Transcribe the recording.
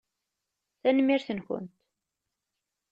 Tanemmirt-nkent!